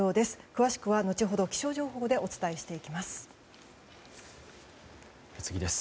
詳しくは、後ほど気象情報でお伝えしていきます。